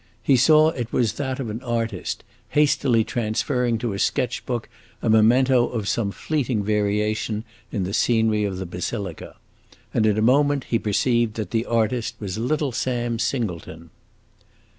He saw it was that of an artist, hastily transferring to his sketch book a memento of some fleeting variation in the scenery of the basilica; and in a moment he perceived that the artist was little Sam Singleton.